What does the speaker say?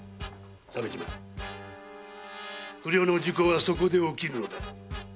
鮫島不慮の事故はそこで起きるのだ。